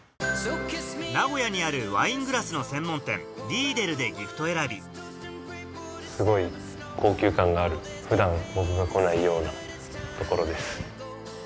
名古屋にあるワイングラスの専門店リーデルでギフト選びすごい高級感がある普段僕が来ないような所です。